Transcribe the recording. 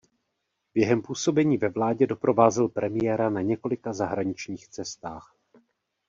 Během působení ve vládě doprovázel premiéra na několika zahraničních cestách.